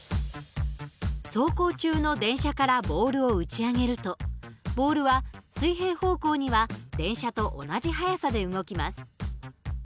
走行中の電車からボールを打ち上げるとボールは水平方向には電車と同じ速さで動きます。